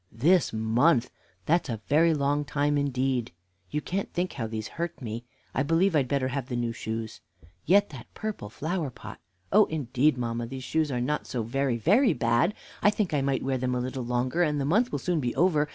"This month! that's a very long time, indeed! You can't think how these hurt me; I believe I'd better have the new shoes. Yet, that purple flower pot. Oh, indeed, mamma, these shoes are not so very, very bad! I think I might wear them a little longer, and the month will soon be over.